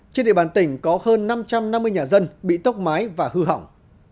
trên địa bàn tỉnh có hơn năm trăm năm mươi nhà dân bị tốc mái và hư hỏng